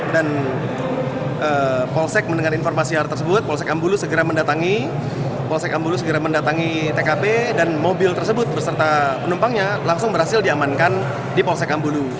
dan polsek mendengar informasi hal tersebut polsek ambulu segera mendatangi tkp dan mobil tersebut berserta penumpangnya langsung berhasil diamankan di polsek ambulu